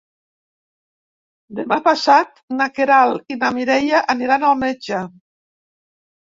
Demà passat na Queralt i na Mireia aniran al metge.